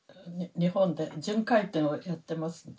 日本で巡回展をやってますので。